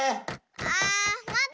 あまって！